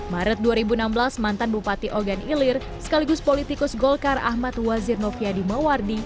maret dua ribu enam belas mantan bupati ogan ilir sekaligus politikus golkar ahmad wazir noviadi mewardi